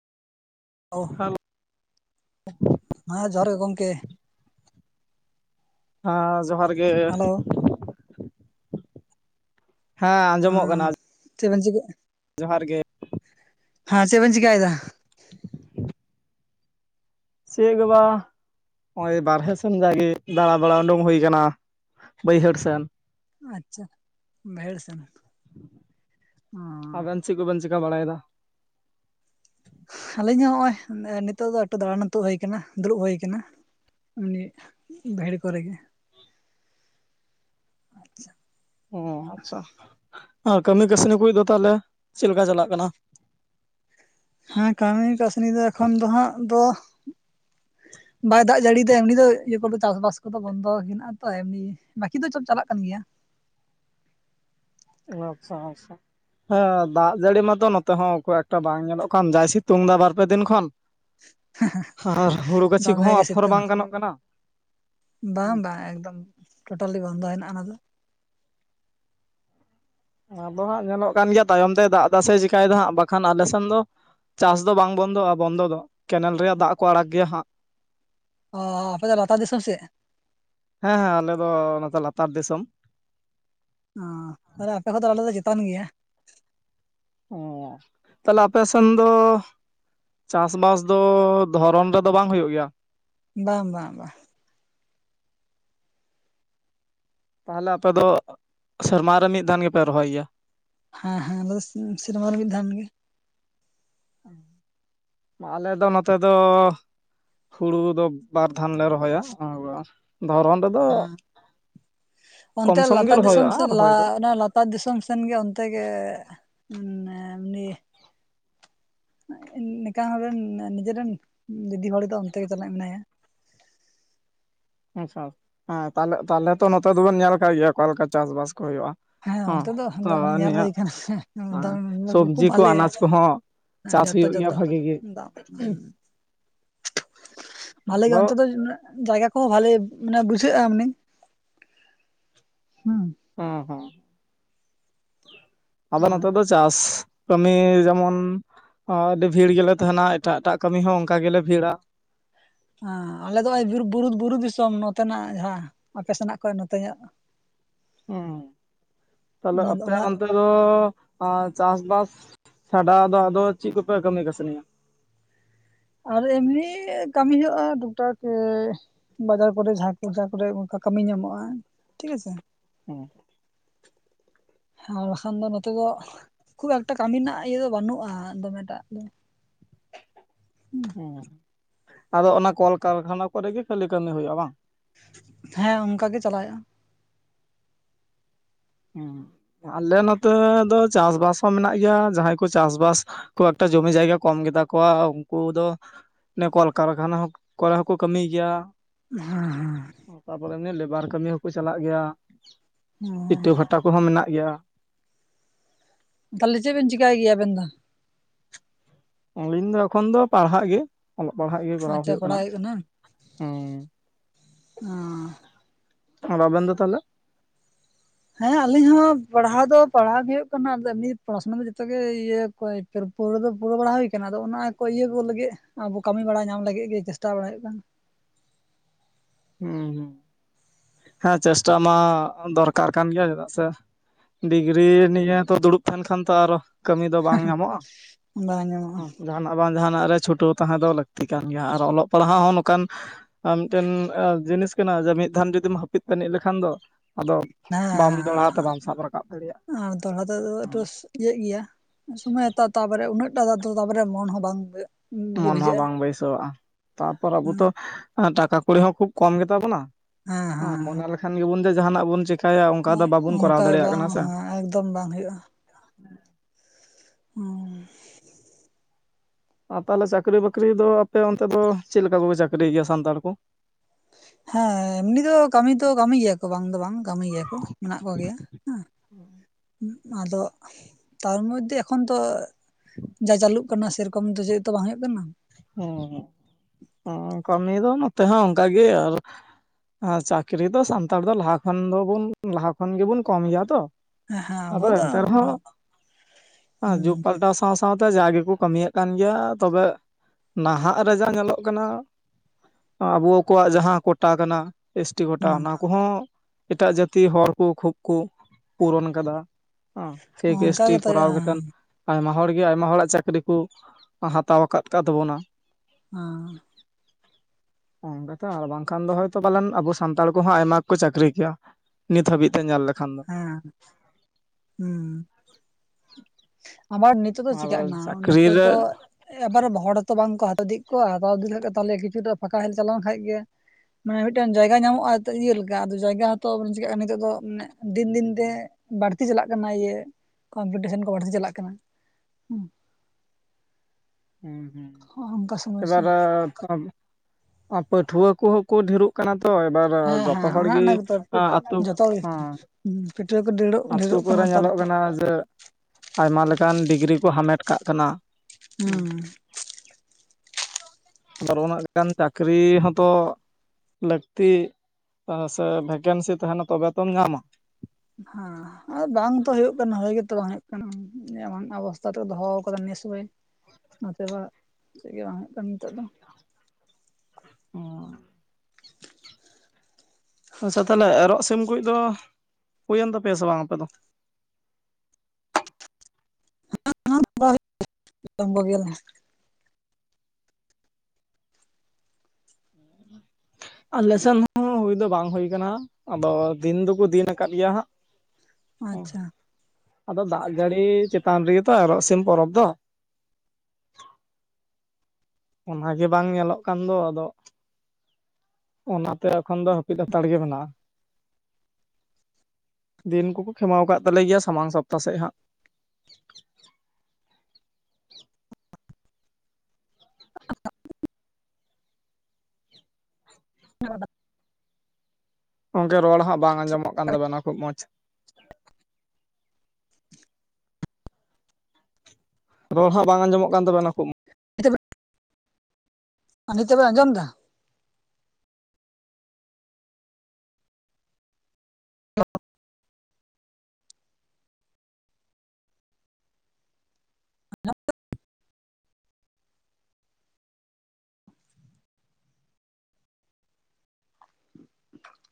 ᱚ ᱦᱮᱟᱞᱳ, ᱦᱮᱸ ᱡᱚᱦᱟᱨ ᱜᱮ ᱜᱚᱝᱠᱮ᱾ ᱦᱟᱸ ᱡᱚᱦᱟᱨ ᱜᱮ᱾ ᱦᱮᱞᱳ ᱦᱮᱸ ᱟᱸᱡᱚᱢᱚᱜ ᱠᱟᱱᱟ, ᱪᱮᱫ ᱵᱮᱱ ᱪᱤᱠᱟᱹ ᱭᱮᱜ ᱼᱟ? ᱡᱚᱦᱟᱨ ᱜᱮ, ᱦᱮᱸ ᱪᱮᱫᱹᱜ ᱵᱮᱱ ᱪᱤᱠᱟᱭ ᱫᱟ? ᱪᱮᱜ ᱜᱮ ᱵᱟᱝ᱾ ᱱᱚᱜᱼ ᱚᱭ ᱵᱟᱨᱦᱮ ᱥᱮᱱ ᱡᱟᱜᱮ ᱫᱟᱬᱟᱵᱟᱲᱟ ᱩᱰᱩᱝ ᱦᱩᱭ ᱠᱟᱱᱟ ᱵᱟᱹᱭᱦᱟᱹᱲ ᱥᱮᱱ ᱾ ᱟᱪᱪᱷᱟ ᱵᱟᱹᱭᱦᱟᱲ ᱥᱮᱱ ᱩᱸ᱾ ᱟᱵᱮᱱ ᱪᱮᱫ ᱠᱚᱵᱮᱱ ᱪᱮᱟᱹ ᱵᱟᱲᱟᱭ ᱫᱟ? ᱟᱹᱞᱤᱧ ᱦᱚᱸ ᱦᱚᱜ-ᱚᱭ ᱱᱤᱛᱚᱜ ᱫᱚ ᱮᱠᱴᱩ ᱫᱟᱬᱟᱱ ᱱᱟᱹᱛᱩ ᱦᱩᱭ ᱟᱠᱟᱱᱟ ᱫᱩᱲᱩᱵ ᱦᱩᱭ ᱠᱟᱱᱟ᱾ ᱩᱱᱤ ᱵᱷᱮᱲ ᱠᱚᱨᱮ ᱜᱮ᱾ ᱟᱪᱪᱷᱟ, ᱦᱮᱸ ᱟᱪᱪᱷᱟ ᱾ ᱟᱨ ᱠᱟᱹᱢᱤ ᱠᱟᱹᱥᱱᱤ ᱠᱚ ᱫᱚ ᱛᱟᱦᱚᱞᱮ ᱪᱮᱫ ᱞᱮᱠᱟ ᱪᱟᱞᱟᱜ ᱠᱟᱱᱟ? ᱦᱮᱸ ᱠᱟᱹᱢᱤ ᱠᱟᱹᱥᱱᱤ ᱫᱚ ᱮᱠᱷᱚᱱ ᱫᱚᱦᱟᱸᱜ ᱫᱚ᱾ ᱵᱟᱭ ᱫᱟᱜᱽ ᱡᱟᱹᱲᱤᱭᱫᱟ ᱩᱱᱤ ᱫᱚ ᱤᱭᱟᱹ ᱠᱚ ᱦᱮᱱᱟ- ᱠᱚᱫᱚ ᱵᱚᱱᱫᱚ ᱦᱼᱟ ᱛᱚ ᱮᱢᱱᱤ, ᱵᱟᱹᱠᱤ ᱫᱚ ᱪᱚᱵ ᱪᱟᱞᱟᱜ ᱠᱟᱱ ᱜᱮᱭᱟ᱾ ᱟᱪᱪᱷᱟ ᱟᱪᱪᱷᱟ᱾ ᱦᱮᱸ ᱫᱟᱜᱽ ᱡᱟᱹᱲᱤ ᱢᱟᱛᱚ ᱱᱚᱛᱮ ᱦᱚᱸ ᱠᱚᱭ ᱮᱠᱴᱟ ᱵᱟᱝ ᱧᱮᱞᱚᱜ ᱠᱟᱱ ᱡᱟᱭ ᱥᱤᱛᱩᱝ ᱮᱫᱟ ᱵᱟᱨᱯᱮ ᱫᱤᱱ ᱠᱷᱚᱱ᱾ ᱟᱨ ᱦᱩᱲᱩ ᱜᱟᱹᱪᱷᱤ ᱫᱚᱢᱮ ᱠᱚᱦᱚᱸ ᱜᱮ ᱟᱯᱷᱚᱨ ᱥᱤᱛᱩᱝ ᱵᱟᱝ ᱜᱟᱱᱚᱜ ᱠᱟᱱᱟ᱾ ᱵᱟᱝ ᱵᱟᱝ ᱠᱫᱚᱢ ᱴᱳᱴᱟᱞᱤ ᱵᱚᱱᱫᱚ ᱦᱮᱱᱟᱜ-ᱟ ᱚᱱᱟ ᱫᱚ᱾ ᱟᱫᱚ ᱦᱟᱸᱜ ᱧᱮᱞᱚᱜ ᱠᱟᱱ ᱜᱮᱭᱟ ᱛᱟᱭᱚᱢ ᱛᱮ ᱫᱟᱜᱽ ᱫᱟᱥᱮ ᱪᱮᱠᱟᱹᱭᱫᱟ ᱦᱟᱸᱜ ᱵᱟᱠᱷᱟᱱ ᱟᱞᱮ ᱥᱮᱱ ᱫᱚ, ᱪᱟᱥ ᱫᱚ ᱵᱟᱝ ᱵᱚᱱᱫᱚᱜ-ᱟ ᱵᱚᱱᱫᱚ ᱫᱚ ᱠᱮᱱᱮᱞ ᱨᱮᱭᱟᱜ ᱫᱟᱜ ᱠᱚ ᱟᱲᱟᱜ ᱜᱮᱭᱟ ᱦᱟᱸᱜ᱾ ᱚ ᱟᱯᱮ ᱫᱚ ᱞᱟᱛᱟᱨ ᱫᱤᱥᱚᱢ ᱥᱮᱜ, ᱦᱮᱸ ᱦᱮᱸ ᱟᱞᱮ ᱫᱚ ᱱᱚᱛᱮ ᱞᱟᱛᱟᱨ ᱫᱤᱥᱚᱢ᱾ ᱚ ᱛᱟᱦᱞᱮ ᱟᱯᱮ ᱠᱷᱚᱡ ᱫᱚ ᱟᱞᱮ ᱫᱚ ᱪᱮᱛᱟᱱ ᱜᱮᱭᱟ᱾ ᱚ ᱛᱟᱦᱚᱞᱮ ᱟᱯᱮᱥᱮᱱ ᱫᱚ ᱪᱟᱥ-ᱵᱟᱥ ᱫᱚ ᱫᱷᱚᱨᱚᱱ ᱨᱮᱫᱚ ᱵᱟᱝ ᱦᱩᱭᱩᱜ ᱜᱮᱭᱟ? ᱵᱟᱝ ᱵᱟᱝ ᱵᱟᱝ᱾ ᱛᱟᱦᱚᱞᱮ ᱟᱯᱮ ᱫᱚ ᱥᱮᱨᱢᱟᱨᱮ ᱢᱤᱫ ᱫᱷᱟᱱ ᱜᱮᱯᱮ ᱨᱚᱦᱚᱭ ᱜᱮᱭᱟ? ᱦᱮᱸ ᱦᱮᱸ ᱟᱞᱮ ᱫᱚ ᱥᱮᱨᱢᱟ ᱨᱮ ᱢᱤᱫ ᱫᱷᱟᱱ ᱜᱮ᱾ ᱢᱟ ᱟᱞᱮ ᱫᱚ ᱱᱚᱛᱮ ᱫᱚ, ᱦᱩᱲᱩ ᱫᱚ ᱵᱟᱨ ᱫᱷᱟᱱ ᱞᱮ ᱨᱚᱦᱚᱭᱟ [unintelligible] ᱫᱷᱚᱨᱚᱱ ᱨᱮᱫᱚ ᱠᱚᱢ ᱥᱚᱢ ᱜᱮ ᱨᱚᱦᱚᱭᱚᱜ-ᱟ ᱨᱚᱦᱚᱭ ᱫᱚ᱾ ᱜᱚᱴᱟ ᱫᱤᱥᱚᱢ ᱥᱮᱱᱜᱮ ᱚᱱᱛᱮ ᱜᱮ ᱚᱱᱮ ᱱᱤᱭᱟᱹ᱾ ᱱᱣᱝᱠᱟᱱ ᱦᱚᱲ ᱨᱮᱱ ᱱᱤᱡᱮᱨᱮᱱ ᱫᱤᱫᱤ ᱦᱚᱲ ᱫᱚ ᱚᱱᱛᱮ ᱜᱮ ᱪᱟᱞᱟᱜ ᱢᱮᱱᱟᱭᱟ᱾ [unintelligible] ᱛᱟᱦᱚᱞᱮ ᱱᱚᱛᱮ ᱫᱚᱵᱚᱱ ᱧᱮᱞ ᱟᱠᱟᱟᱜ ᱜᱮᱭᱟ ᱚᱠᱟᱞᱮᱠᱟ ᱪᱟᱥ ᱵᱟᱥ ᱠᱚ ᱦᱩᱭᱩᱜ-ᱟ᱾ ᱦᱮᱸ ᱚᱱᱛᱮ ᱫᱚ ᱧᱮᱧᱮᱞ ᱦᱩᱭ ᱠᱟᱱᱟ ᱥᱚᱵᱽᱡᱤ ᱠᱷᱩᱵ ᱠᱚ ᱵᱷᱟᱞᱮ, ᱟᱱᱟᱡ ᱠᱚᱦᱚᱸ ᱦᱮᱸ ᱪᱟᱥ ᱡᱚᱛᱚ ᱦᱩᱭᱩᱜ ᱜᱮᱭᱟ ᱡᱚᱹᱟᱛᱚᱟ ᱵᱷᱟᱜᱤ ᱜᱮ ᱫᱟᱜᱽ, [unintelligible] ᱵᱷᱟᱞᱮ ᱜᱮ ᱟᱫᱚ ᱚᱱᱛᱮ ᱡᱟᱹᱱᱤᱡ ᱡᱟᱭᱜᱟ ᱠᱚ ᱦᱚᱸ ᱵᱷᱟᱞᱮ ᱢᱟᱱᱮ ᱵᱩᱡᱷᱟᱹᱜ-ᱟ ᱮᱢᱱᱤ, ᱦᱩᱸ ᱦᱚᱸ ᱦᱚᱸ ᱟᱫᱚ ᱱᱚᱛᱮ ᱫᱚ ᱪᱟᱥ ᱠᱟᱹᱢᱤ ᱡᱮᱢᱚᱱ, ᱦᱚᱸ ᱟᱹᱰᱤ ᱵᱷᱤᱲ ᱜᱮᱞᱮ ᱛᱟᱦᱮᱸᱱᱟ ᱮᱴᱟᱜ ᱮᱴᱟᱜ ᱠᱟᱹᱢᱤ ᱦᱚᱸ ᱚᱱᱠᱟ ᱜᱮᱞᱮ ᱵᱷᱤᱲᱟ, ᱟᱸ ᱟᱞᱮ ᱫᱚ ᱱᱚᱜ-ᱚᱭ ᱵᱩᱨᱩ ᱵᱩᱨᱩ ᱫᱤᱥᱚᱢ ᱱᱚᱛᱮᱱᱟᱜ ᱡᱟᱦᱟᱸ ᱟᱯᱮ ᱥᱮᱱᱟᱜ ᱠᱷᱚᱱ ᱱᱚᱛᱮᱧᱚᱜ, ᱩᱸ ᱛᱟᱦᱚᱞᱮ ᱚᱱᱟ ᱟᱯᱮᱭᱟᱜ ᱚᱱᱛᱮ ᱟᱫᱚ ᱪᱟᱥ ᱵᱟᱥ ᱪᱷᱟᱰᱟ ᱫᱚ ᱟᱫᱚ ᱪᱮᱫ ᱠᱚᱯᱮ ᱠᱟᱹᱢᱤ ᱠᱟᱹᱥᱱᱤᱭᱟ, ᱟᱨ ᱮᱢᱱᱤ ᱠᱟᱹᱢᱤ ᱦᱩᱭᱩᱜ-ᱟ ᱫᱩᱢᱠᱟ ᱛᱮ ᱵᱟᱡᱟᱨ ᱠᱚᱨᱮ ᱡᱟᱦᱟᱸ ᱠᱚ ᱡᱟᱦᱟᱸ ᱠᱚᱨᱮ ᱚᱱᱠᱟ ᱠᱟᱹᱢᱤ ᱧᱟᱢᱚᱜ-ᱟ ᱴᱷᱤᱠ ᱟᱪᱷᱮ ᱦᱮᱸ ᱟᱨ ᱵᱟᱠᱷᱟᱱ ᱫᱚ ᱱᱚᱛᱮ ᱫᱚ ᱠᱷᱩᱵ ᱮᱠ ᱠᱟᱹᱢᱤ ᱨᱮᱱᱟᱜ ᱤᱭᱟᱹ ᱫᱚ ᱵᱟᱹᱱᱩᱜ-ᱟ ᱫᱚᱢᱮ ᱫᱟᱜ ᱫᱟᱭ, ᱦᱩᱸ᱾ ᱦᱩᱸ ᱟᱫᱚ ᱚᱱᱟ ᱠᱚᱞᱠᱟᱨᱠᱷᱟᱱᱟ ᱠᱚᱨᱮ ᱜᱮ ᱠᱷᱟᱹᱞᱤ ᱠᱟᱹᱢᱤ ᱦᱩᱭᱩᱜ-ᱟ ᱵᱟᱝ, ᱦᱮᱸ ᱚᱱᱠᱟ ᱜᱮ ᱪᱟᱞᱟᱜ ᱦᱩᱭᱩᱜ-ᱟ, ᱦᱩᱸ ᱟᱞᱮ ᱱᱚᱛᱮ ᱫᱚ ᱪᱟᱥᱵᱟᱥ ᱦᱚᱸ ᱢᱮᱱᱟᱜ ᱜᱮᱭᱟ ᱡᱟᱦᱟᱸᱭ ᱠᱚ ᱪᱟᱥᱵᱟᱥ, ᱠᱚᱜ ᱮᱠᱴᱟ ᱡᱚᱢᱤ ᱡᱟᱭᱜᱟ ᱠᱚᱢ ᱜᱮ ᱛᱟᱠᱚᱣᱟ ᱩᱱᱠᱩ ᱫᱚ, ᱱᱮ ᱠᱚᱞᱠᱟᱨᱠᱷᱟᱱᱟ ᱠᱚᱨᱮ ᱦᱚᱸᱠᱚ ᱠᱟᱹᱢᱤᱭ ᱜᱮᱭᱟ, ᱦᱩᱸ ᱦᱩᱸ ᱛᱟᱯᱚᱨᱮ ᱮᱢᱱᱤ ᱞᱮᱵᱟᱨ ᱠᱟᱹᱢᱤ ᱦᱚᱸᱠᱚ ᱪᱟᱞᱟᱜ ᱜᱮᱭᱟ, [inaudible] ᱤᱴᱟᱹ ᱵᱷᱟᱴᱟ ᱠᱚᱦᱚᱸ ᱢᱮᱱᱟᱜ ᱜᱮᱭᱟ, ᱛᱟᱦᱞᱮ ᱪᱮᱫ ᱵᱮᱱ ᱪᱤᱠᱟᱭ ᱜᱮᱭᱟ ᱟᱵᱮᱱ ᱫᱚ, ᱤᱧ ᱫᱚ ᱮᱠᱷᱚᱱ ᱫᱚ ᱯᱟᱲᱦᱟᱜ ᱜᱮ, ᱚᱞᱚᱜ ᱯᱟᱲᱦᱟᱜ ᱜᱮ ᱠᱚᱨᱟᱣ ᱦᱩᱭᱩᱜ ᱠᱟᱱᱟ ᱦᱩᱸ ᱚ ᱟᱨ ᱟᱵᱮᱱ ᱫᱚ ᱛᱟᱦᱚᱞᱮ, ᱦᱮᱸ ᱟᱞᱤᱧ ᱦᱚᱸ ᱯᱟᱲᱦᱟᱣ ᱫᱚ ᱯᱟᱲᱦᱟᱣ ᱜᱮ ᱦᱩᱭᱩᱜ ᱠᱟᱱᱟ ᱟᱫᱚ ᱱᱤᱛ ᱯᱚᱲᱟᱥᱩᱱᱟ ᱫᱚ ᱡᱚᱛᱚᱜ ᱜᱮ ᱤᱭᱟᱹ ᱚᱠᱚᱭ ᱛᱟᱨ ᱯᱚᱨ ᱫᱚ ᱨᱮᱫᱚ ᱯᱩᱨᱟᱹ ᱵᱟᱲᱟ ᱦᱩᱭ ᱟᱫᱚ ᱚᱱᱟ ᱠᱚ ᱤᱭᱟᱹ ᱠᱚ ᱞᱟᱹᱜᱤᱫ ᱟᱵᱚ ᱠᱟᱹᱢᱤ ᱵᱟᱲᱟ ᱧᱟᱢ ᱞᱟᱹᱜᱤᱫ ᱜᱮ ᱪᱮᱥᱴᱟ ᱵᱟᱲᱟᱭ ᱦᱩᱭᱩᱜ ᱠᱟᱱᱟ᱾ ᱦᱩᱸ ᱦᱮᱸ ᱪᱮᱥᱴᱟ ᱢᱟ ᱫᱚᱨᱠᱟᱨ ᱠᱟᱱ ᱜᱮᱭᱟ ᱪᱮᱫᱟᱜ ᱥᱮ, ᱰᱤᱜᱽᱨᱤ ᱱᱤᱭᱮ ᱛᱚ ᱫᱩᱲᱩᱵ ᱛᱟᱦᱮᱸᱱ ᱠᱷᱟᱱ ᱛᱚ ᱟᱨᱚ ᱠᱟᱹᱢᱤ ᱫᱚ ᱵᱟᱝ ᱧᱟᱢᱚᱜᱼᱟ, ᱵᱟᱝ ᱧᱟᱢᱚᱜᱼᱟ ᱡᱟᱦᱟᱸᱱᱟᱜ ᱵᱟᱝ ᱡᱟᱦᱟᱸᱱᱟᱜ ᱨᱮ ᱪᱷᱩᱴᱟᱹᱣ ᱛᱟᱦᱮᱸ ᱫᱚ ᱞᱟᱹᱠᱛᱤ ᱠᱟᱱ ᱜᱮᱭᱟ ᱟᱨ ᱚᱞᱚᱜ ᱯᱟᱲᱦᱟᱣ ᱦᱚᱸ ᱱᱚᱝᱠᱟᱱ ᱢᱤᱫᱴᱮᱱ, ᱡᱤᱱᱤᱥ ᱠᱟᱱᱟ ᱡᱮ ᱢᱤᱫ ᱫᱷᱟᱣ ᱡᱩᱫᱤᱢ ᱦᱟᱹᱯᱤᱫ ᱛᱟᱹᱱᱤᱡ ᱞᱮᱠᱷᱟᱱ ᱫᱚ ᱟᱫᱚ ᱦᱮᱸ ᱵᱟᱢ ᱦᱮᱸ ᱫᱚᱲᱦᱟ ᱛᱮ ᱵᱟᱢ ᱥᱟᱵ ᱨᱟᱠᱟᱵ ᱟᱨ ᱫᱚᱦᱲᱟ ᱛᱮᱫᱚ ᱮᱠᱴᱩ ᱫᱟᱲᱮᱭᱟᱜ-ᱟ ᱤᱭᱟᱹᱜ ᱜᱮᱭᱟ ᱩᱱᱥᱢᱚᱭ ᱦᱟᱛᱟᱣ ᱛᱟᱯᱚᱨᱮ ᱩᱱᱟᱹᱜ ᱴᱟ ᱫᱚ ᱛᱟᱯᱚᱨᱮ ᱢᱚᱱ ᱦᱚᱸ ᱵᱟᱝ ᱦᱳᱭᱩᱜ-ᱟ ᱢᱚᱱ ᱦᱚᱸ ᱵᱟᱝ ᱵᱟᱹᱭᱥᱟᱹᱣᱟᱜᱼᱟ ᱛᱟᱯᱚᱨ ᱟᱵᱩ ᱦᱮᱸ ᱛᱚ ᱴᱟᱠᱟ ᱠᱩᱲᱤ ᱦᱚᱸ ᱠᱷᱩᱵ ᱠᱚᱢ ᱜᱮᱛᱟ ᱵᱚᱱᱟ, ᱦᱮᱸ ᱢᱚᱱᱮ ᱞᱮᱠᱷᱟᱱ ᱜᱮᱵᱚᱱ ᱡᱮ ᱡᱟᱦᱟᱱᱟᱜ ᱵᱚᱱ ᱪᱮᱠᱟᱭᱟ ᱚᱱᱠᱟ ᱫᱚ ᱵᱟᱵᱚᱱ ᱠᱚᱨᱟᱣ ᱚᱱᱠᱟ ᱫᱟᱲᱮᱭᱟᱜ ᱵᱟᱝ ᱠᱟᱱᱟ ᱥᱮ, ᱦᱮᱸ ᱮᱠᱫᱚᱢ ᱵᱟᱝ ᱦᱩᱭᱩᱜᱼᱟ, ᱦᱩᱸ᱾ ᱟᱨ ᱛᱟᱦᱚᱞᱮ ᱪᱟᱹᱠᱨᱤ ᱵᱟᱹᱠᱨᱤ ᱫᱚ ᱟᱯᱮ ᱚᱱᱛᱮ ᱫᱚ ᱪᱮᱫ ᱞᱮᱠᱟ ᱠᱚᱯᱮ ᱪᱟᱹᱠᱨᱤᱭ ᱜᱮᱭᱟ ᱥᱟᱱᱛᱟᱲ ᱠᱚ, ᱦᱮᱸ ᱮᱢᱱᱤ ᱫᱚ ᱠᱟᱹᱢᱤ ᱫᱚ ᱠᱟᱹᱢᱤ ᱜᱮᱭᱟ ᱠᱚ ᱵᱟᱝ ᱫᱚ ᱵᱟᱝ, ᱠᱟᱹᱢᱤ ᱜᱮᱭᱟ ᱠᱚ ᱢᱮᱱᱟᱜ ᱠᱚ ᱜᱮᱭᱟ ᱦᱩᱸ ᱟᱫᱚ ᱛᱟᱨ ᱢᱚᱫᱽᱫᱷᱮ ᱮᱠᱷᱚᱱ ᱛᱚ, ᱡᱟ ᱪᱞᱩᱜ ᱠᱟᱱᱟ ᱥᱮᱨᱚᱠᱚᱢ ᱫᱚ ᱪᱮᱫ ᱦᱚᱸᱛᱚ ᱵᱟᱝ ᱦᱩᱭᱩᱜ ᱠᱟᱱᱟ, ᱦᱩᱸ ᱠᱟᱹᱢᱤ ᱫᱚ ᱱᱚᱛᱮ ᱦᱚᱸ ᱚᱱᱠᱟᱜ ᱜᱮ ᱟᱨ ᱪᱟᱹᱠᱨᱤ ᱫᱚ ᱥᱟᱱᱛᱟᱲ ᱫᱚ ᱞᱟᱦᱟ ᱠᱷᱚᱱ ᱫᱚᱵᱚᱱ ᱞᱟᱦᱟ ᱠᱷᱚᱱ ᱜᱮᱵᱚᱱ ᱠᱚᱢ ᱜᱮᱭᱟ ᱛᱚ ᱦᱮᱸ ᱦᱮᱸ ᱟᱵᱚ ᱟᱫᱚ ᱫᱚ ᱮᱱᱛᱮ ᱨᱮᱦᱚᱸ ᱦᱩᱸ ᱡᱩᱜᱽ ᱦᱩᱸ ᱯᱟᱞᱴᱟᱣ ᱥᱟᱶ ᱥᱟᱶ ᱥᱟᱶ ᱛᱮ ᱡᱟ ᱜᱮᱠᱚ ᱠᱟᱹᱢᱤᱭᱮᱫ ᱠᱟᱱ ᱜᱮᱭᱟ ᱛᱚᱵᱮ, ᱱᱟᱦᱟᱜ ᱨᱮ ᱡᱟ ᱧᱮᱞᱚᱜ ᱠᱟᱱᱟ ᱟᱵᱚ ᱠᱚᱣᱟᱜ ᱡᱟᱦᱟᱸ ᱠᱚᱴᱟ ᱠᱟᱱᱟ, ᱮᱥ ᱴᱤ ᱠᱚᱴᱟ ᱚᱱᱟ ᱠᱚᱦᱚᱸ ᱮᱴᱟᱜ ᱡᱟᱹᱛᱤ ᱦᱚᱲ ᱠᱚ ᱠᱷᱩᱵ ᱠᱚ ᱯᱩᱨᱚᱱ ᱠᱟᱫᱟ᱾ ᱚ, ᱯᱷᱮᱠ ᱮᱥ ᱚᱱᱠᱟ ᱴᱤ ᱜᱮᱛᱚ ᱠᱚᱨᱟᱣ ᱠᱟᱛᱮᱫ ᱦᱮᱸ ᱟᱭᱢᱟ ᱦᱚᱲᱜᱮ ᱟᱭᱢᱟ ᱦᱚᱲᱟᱜ ᱪᱟᱹᱠᱨᱤ ᱠᱚ ᱦᱟᱛᱟᱣ ᱟᱠᱟᱫ ᱠᱟᱫ ᱛᱟᱵᱚᱱᱟ᱾ ᱦᱩᱸ᱾ [inaudible] ᱚᱝᱠᱟᱛᱮ ᱟᱨ ᱵᱟᱝᱠᱷᱟᱱ ᱫᱚ ᱦᱳᱭᱛᱚ ᱯᱟᱞᱮᱱ ᱟᱵᱚ ᱥᱟᱱᱛᱟᱲ ᱠᱚᱦᱚᱸ ᱟᱭᱢᱟ ᱠᱚ ᱪᱟᱹᱠᱨᱤ ᱠᱮᱭᱟ᱾ ᱱᱤᱛ ᱦᱟᱹᱵᱤᱡ ᱛᱮ ᱧᱮᱞ ᱞᱮᱠᱷᱟᱱ ᱫᱚ᱾ ᱦᱮᱸ, ᱦᱩᱸ᱾ [inaudible] ᱟᱵᱟᱨ ᱱᱤᱛᱚᱜ ᱫᱚ ᱟᱨ ᱪᱮᱤᱠᱟᱜ ᱠᱟᱱᱟ ᱪᱟᱹᱠᱨᱤ ᱱᱩᱠᱩ ᱨᱮ ᱛᱚ ᱮᱵᱟᱨ ᱦᱚᱲ ᱛᱚ ᱵᱟᱝᱠᱚ ᱦᱟᱛᱟᱣ ᱤᱫᱤᱜ ᱠᱚᱣᱟ ᱦᱟᱛᱟᱣ ᱤᱫᱤ ᱞᱮᱠᱷᱡ ᱛᱟᱦᱚᱞᱮ ᱠᱤᱪᱩᱴᱟ ᱯᱷᱟᱠᱟ ᱦᱮᱞ ᱪᱟᱞᱟᱣ ᱞᱮᱱᱠᱷᱟᱡ ᱜᱮ᱾ ᱢᱟᱱᱮ ᱢᱤᱫᱴᱟᱝ ᱡᱟᱭᱜᱟ ᱧᱟᱢᱚᱜ-ᱟ ᱤᱭᱟᱹ ᱞᱮᱠᱟ ᱟᱫᱚ ᱡᱟᱭᱜᱟ ᱦᱚᱸ ᱛᱚ ᱪᱤᱠᱟᱜ-ᱟ ᱱᱤᱛᱚᱜ ᱫᱚ ᱢᱟᱱᱮ ᱫᱤᱱ ᱫᱤᱱ ᱛᱮ ᱵᱟᱹᱲᱛᱤ ᱪᱟᱞᱟᱜ ᱠᱟᱱᱟ ᱤᱭᱟᱹ ᱠᱚᱢᱯᱤᱴᱤᱥᱚᱱ ᱠᱚ ᱵᱟᱹᱲᱛᱤ ᱪᱟᱞᱟᱜ ᱠᱟᱱᱟ, ᱦᱩᱸ᱾ ᱦᱩᱸ ᱦᱩᱸ, ᱚᱱᱠᱟ ᱥᱚᱢᱚᱥᱥᱟ ᱮᱵᱟᱨ [unintelligible] ᱯᱟᱹᱴᱷᱩᱣᱟᱹ ᱠᱚᱦᱚᱸ ᱠᱚ ᱰᱷᱮᱨᱚᱜ ᱠᱟᱱᱟ ᱛᱚ ᱮᱵᱟᱨ ᱦᱮᱸ ᱡᱚᱛᱚ ᱦᱮᱸ ᱦᱚᱲ ᱚᱱᱮ ᱜᱮ ᱟᱛᱩ ᱦᱚᱸ᱾ ᱦᱮᱸ ᱯᱟᱹᱴᱷᱩᱣᱟᱹ ᱠᱚ ᱰᱮᱲᱳᱜ ᱟᱹᱛᱳ ᱠᱚᱨᱮ ᱧᱮᱞᱚᱜ ᱠᱟᱱᱟ ᱡᱮ ᱟᱭᱢᱟ ᱞᱮᱠᱟᱱ ᱰᱤᱜᱽᱨᱤ ᱠᱚ ᱦᱟᱢᱮᱴ ᱠᱟᱜ ᱠᱟᱱᱟ᱾ ᱦᱩᱸ᱾ ᱟᱨ ᱩᱱᱟᱹᱜ ᱜᱟᱱ ᱪᱟᱹᱠᱨᱤ ᱦᱚᱸᱛᱚ ᱞᱟᱹᱠᱛᱤ ᱥᱮ ᱵᱷᱮᱠᱮᱱᱥᱤ ᱛᱟᱦᱮᱱᱟ ᱛᱚᱵᱮ ᱛᱚᱢ ᱧᱟᱢᱟ᱾ ᱦᱟᱸᱻ ᱟᱨ ᱵᱟᱝ ᱛᱚ ᱦᱩᱭᱩᱜ ᱠᱟᱱᱟ, ᱦᱩᱭ ᱜᱮᱛᱚ ᱵᱟᱝ ᱦᱩᱭᱩᱜ ᱠᱟᱱᱟ, ᱮᱢᱚᱱ ᱚᱵᱚᱥᱛᱟ ᱛᱚ ᱫᱚᱦᱚ ᱠᱟᱫᱟ ᱱᱮᱥ ᱜᱮ᱾ ᱱᱚᱛᱮ ᱢᱟ ᱪᱮᱫ ᱜᱮ ᱵᱟᱝ ᱦᱩᱭᱩᱜ ᱠᱟᱱᱟ ᱱᱤᱛᱚᱜ ᱫᱚ᱾ ᱚᱻ ᱟᱪᱪᱷᱟ ᱛᱟᱦᱞᱮ ᱮᱨᱚᱜ ᱥᱤᱢ ᱠᱚᱡ ᱫᱚ ᱦᱩᱭᱮᱱ ᱛᱟᱯᱮᱭᱟ ᱥᱮ ᱵᱟᱝ ᱟᱯᱮ ᱫᱚ? [unintelligible] ᱟᱞᱮᱥᱮᱱ ᱦᱚᱸ ᱦᱩᱭ ᱫᱚ ᱵᱟᱝ ᱦᱩᱭ ᱟᱠᱟᱱᱟ ᱟᱫᱚ ᱫᱤᱱ ᱫᱚᱠᱚ ᱫᱤᱱ ᱟᱠᱟᱫ ᱜᱮᱭᱟ ᱦᱟᱸᱜ᱾ ᱟᱪᱪᱷᱟ ᱟᱫᱚ ᱫᱟᱜ ᱡᱟᱹᱲᱤ ᱪᱮᱛᱟᱱ ᱨᱮᱜᱮ ᱛᱚ ᱮᱨᱚᱜ ᱥᱤᱢ ᱯᱚᱨᱚᱵᱽ ᱫᱚ᱾ ᱚᱱᱟᱜᱮ ᱵᱟᱝ ᱧᱮᱸᱞᱚᱜ ᱠᱟᱱ ᱫᱚ ᱟᱫᱚ᱾ ᱚᱱᱟᱛᱮ ᱮᱠᱷᱚᱱ ᱫᱚ ᱦᱟᱹᱯᱤᱫ ᱦᱟᱛᱟᱲ ᱜᱮ ᱢᱮᱱᱟᱜ-ᱟ᱾ ᱫᱤᱱ ᱠᱚᱠᱚ ᱠᱷᱮᱢᱟᱣ ᱠᱟᱫ ᱛᱟᱞᱮ ᱜᱮᱭᱟ ᱥᱟᱢᱟᱝ ᱥᱚᱯᱛᱟ ᱥᱮᱫ ᱦᱟᱸᱜ᱾ [unintelligible] [unintelligible] ᱜᱚᱝᱠᱮ ᱨᱚᱲ ᱦᱟᱸᱜ ᱵᱟᱝ ᱟᱸᱡᱚᱢᱚᱜ ᱠᱟᱱ ᱛᱟᱵᱮᱱᱟ ᱠᱷᱩᱵ ᱢᱚᱸᱡᱽ᱾ ᱨᱚᱲ ᱦᱟᱸᱜ ᱵᱟᱝ ᱟᱸᱡᱚᱢᱚᱜ ᱠᱟᱱ ᱛᱟᱵᱮᱱᱟ ᱠᱷᱩᱵ [unintelligible] ᱟᱨ ᱱᱤᱛᱚᱜ ᱵᱮᱱ ᱟᱸᱡᱚᱢ ᱫᱟ?